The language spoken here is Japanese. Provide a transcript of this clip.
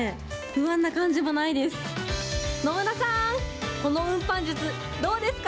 不安な感じもないです。